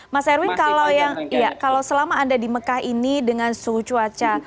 mas erwin kalau selama anda di mekah ini dengan suhu cuaca